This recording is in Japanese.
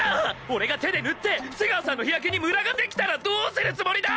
俺が手で塗って瀬川さんの日焼けにムラができたらどうするつもりだ！？